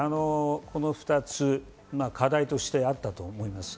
この２つ、課題としてあったと思います。